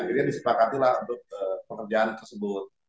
akhirnya disepakatilah untuk pekerjaan tersebut